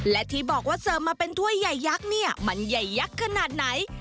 และที่บอกว่าเสิร์ฟมาเป็นถ้วยใหญ่ยักษ์เนี่ยมันใหญ่ยักษ์ขนาดไหน